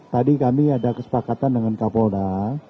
tadi kami ada kesepakatan dengan kapolda